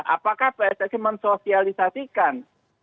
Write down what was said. apakah pssi mensosialisasikan